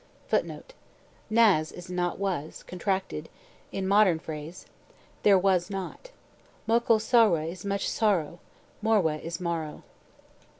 [Footnote: N'AS is NOT WAS, contracted; in modern phrase, THERE WAS NOT. MOCHEL SORWE is much sorrow; MORWE is MORROW.